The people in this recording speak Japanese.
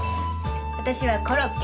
私はコロッケ。